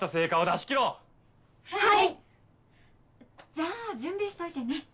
じゃあ準備しといてね